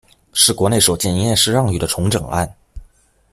是国内首件营业式让与的重整案。